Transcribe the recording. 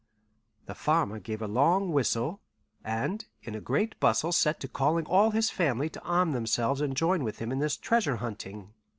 The farmer gave a long whistle, and in a great bustle set to calling all his family to arm themselves and join with him in this treasure hunting.